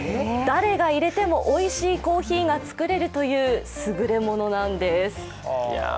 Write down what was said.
誰がいれてもおいしいコーヒーが作れるという優れものなんです。